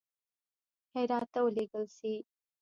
هرات ته ولېږل سي.